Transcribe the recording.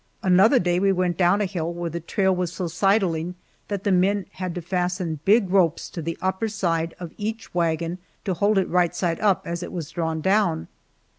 Another day we went down a hill where the trail was so sidling, that the men had to fasten big ropes to the upper side of each wagon to hold it right side up as it was drawn down.